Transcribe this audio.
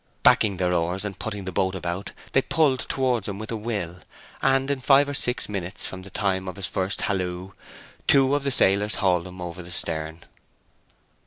Backing their oars and putting the boat about, they pulled towards him with a will, and in five or six minutes from the time of his first halloo, two of the sailors hauled him in over the stern.